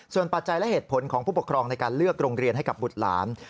ส่วนปัจจัยและเหตุผลของผู้ปกครองในการเลือกโรงเรียนให้กับบุตรหลาน